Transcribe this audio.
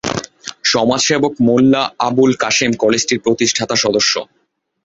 সমাজসেবক মোল্লা আবুল কাশেম কলেজটির প্রতিষ্ঠাতা সদস্য।